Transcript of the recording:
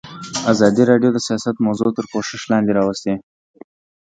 ازادي راډیو د سیاست موضوع تر پوښښ لاندې راوستې.